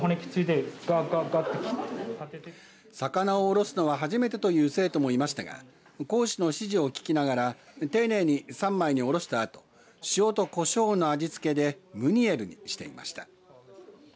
魚をおろすの初めてという生徒もいましたが講師の指示を聞きながら丁寧に３枚におろしたあと塩とこしょうの味付けでムニエルにしていました。